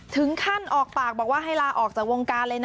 ถึงขั้นออกปากบอกว่าให้ลาออกจากวงการเลยนะ